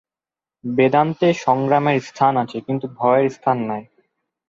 বেদান্তে সংগ্রামের স্থান আছে, কিন্তু ভয়ের স্থান নাই।